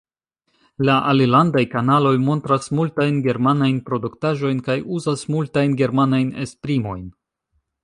La alilandaj kanaloj montras multajn germanajn produktaĵojn kaj uzas multajn germanajn esprimojn.